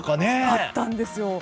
あったんですよ。